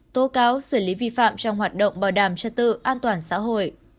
tố cáo xử lý vi phạm trong hoạt động bảo đảm trật tự an toàn xã hội